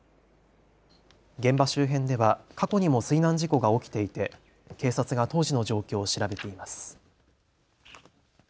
現場周辺では過去にも水難事故が起きていて警察が当時の状況を調べています。